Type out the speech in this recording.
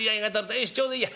よしちょうどいいや。